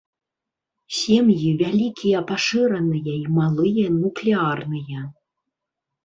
Сем'і вялікія пашыраныя і малыя нуклеарныя.